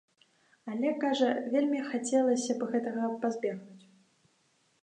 Але, кажа, вельмі хацелася б гэтага пазбегнуць.